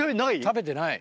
食べてない。